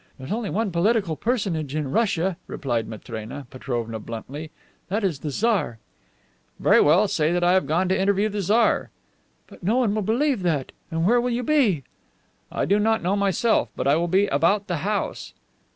"There's only one political personage in Russia," replied Matrena Petrovna bluntly; "that is the Tsar." "Very well; say I have gone to interview the Tsar." "But no one will believe that. And where will you be?" "I do not know myself. But I will be about the house."